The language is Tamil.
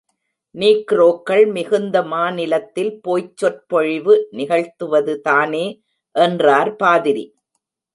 நீக்ரோக்கள் மிகுந்த மாநிலத்தில் போய்ச் சொற்பொழிவு நிகழ்த்துவதுதானே என்றார் பாதிரி.